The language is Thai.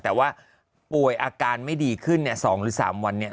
แต่ว่าป่วยอาการไม่ดีขึ้นเนี่ย๒หรือ๓วันเนี่ย